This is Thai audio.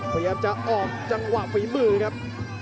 พยายามจะออกจังหวะฝีมือครับ